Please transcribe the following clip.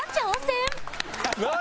何？